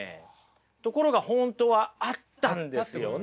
ところが本当はあったんですよね。